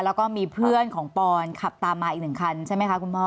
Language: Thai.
แล้วก็มีเพื่อนของปอนขับตามมาอีกหนึ่งคันใช่ไหมคะคุณพ่อ